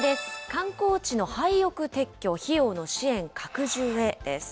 観光地の廃屋撤去、費用の支援拡充へです。